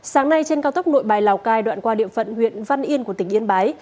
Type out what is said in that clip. sáng nay trên cao tốc nội bài lào cai đoạn qua địa phận huyện văn yên của tỉnh yên bái